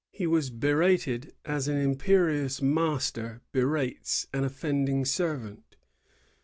He was berated as an imperious master berates an offending servant.